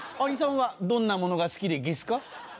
兄さんはどんなものが好きでげすか？